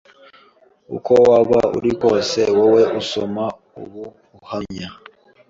Uko waba uri kose wowe usoma ubu buhamya.